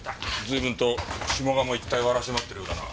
随分と下鴨一帯を荒らし回ってるようだな。